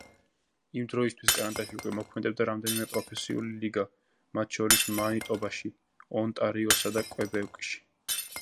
იმ დროისთვის კანადაში უკვე მოქმედებდა რამდენიმე პროფესიული ლიგა, მათ შორის მანიტობაში, ონტარიოსა და კვებეკში.